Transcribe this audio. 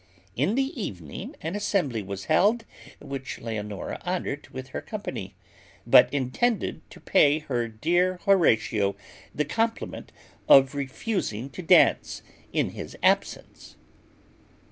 In the evening an assembly was held, which Leonora honoured with her company; but intended to pay her dear Horatio the compliment of refusing to dance in his absence.